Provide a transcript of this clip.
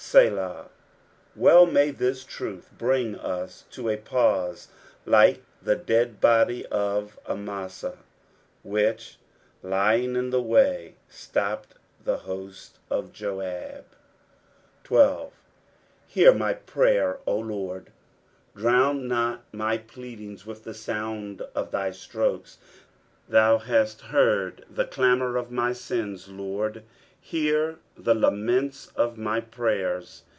Selali. Well may this truth bring us to a pause, lilco the dead body of Amasa, which, . lying in the way, stopped the hosts of Joab. IB. ^^ Haar my prayer, 0 Lord." Drown not my ple, ading3 with the sound of thy strolces. Thou hast heard the clamour of my sins. Lord ; hear the laments of my prayers.